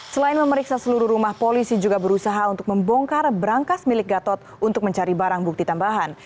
selain memeriksa seluruh rumah polisi juga berusaha untuk membongkar berangkas milik gatot untuk mencari barang bukti tambahan